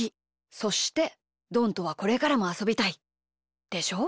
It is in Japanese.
そしてどんとはこれからもあそびたいでしょ？